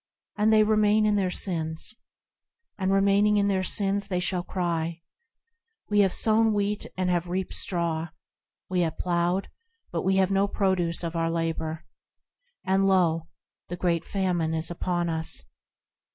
And they remain in their sins. And remaining in their sins, they shall cry,– "We have sown wheat and have reaped straw, We have ploughed, but we have no produce of our labour, And lo ! the Great Famine is upon us.